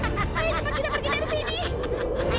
kau sudah selesai menemukan kita